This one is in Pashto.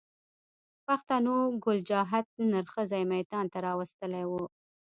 پښتنو ګل چاهت نر ښځی ميدان ته را وستلی و